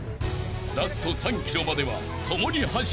［ラスト３ｋｍまでは共に走る仲間］